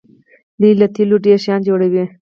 دوی له تیلو ډیر شیان جوړوي.